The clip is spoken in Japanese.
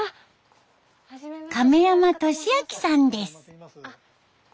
亀山敏昭さんです。